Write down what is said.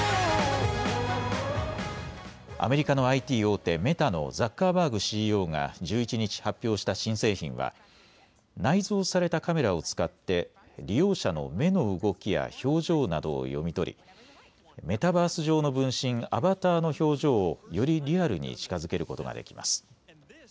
アメリカのＩＴ大手、メタのザッカーバーグＣＥＯが１１日、発表した新製品は、内蔵されたカメラを使って利用者の目の動きや表情などを読み取りメタバース上の分身、アバターの表情をよりリアルに近づけることができます。